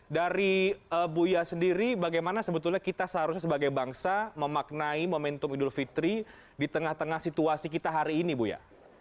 dari buya sendiri bagaimana sebetulnya kita seharusnya sebagai bangsa memaknai momentum idul fitri di tengah tengah situasi kita hari ini buya